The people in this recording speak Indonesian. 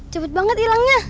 cepet banget hilangnya